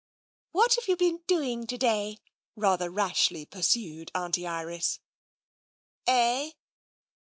" What have you been doing to day ?" rather rashly pursued Auntie Iris. "Eh?"